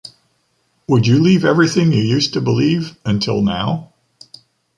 Would you leave everything you used to believe until now?